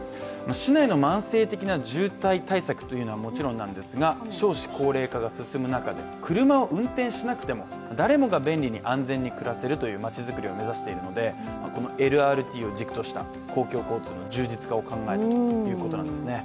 市内の慢性的な渋滞対策というのはもちろんなんですが、少子高齢化が進む中、車を運転しなくても誰もが便利に安全に暮らせる町づくりを目指しているのでＬＲＴを軸とした公共交通の充実さを考えるということなんですね。